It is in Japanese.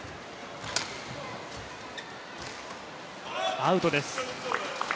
アウトです。